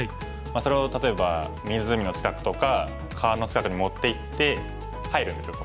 それを例えば湖の近くとか川の近くに持っていって入るんですよ